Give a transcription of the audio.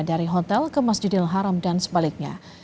dari hotel ke masjidil haram dan sebaliknya